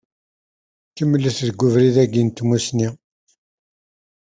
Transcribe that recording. Ttun-iyi.